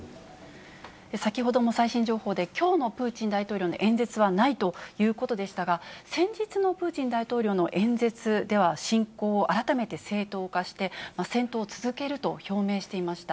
先ほども最新情報で、きょうのプーチン大統領の演説はないということでしたが、先日のプーチン大統領の演説では、侵攻を改めて正当化して、戦闘を続けると表明していました。